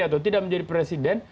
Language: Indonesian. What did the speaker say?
atau tidak menjadi presiden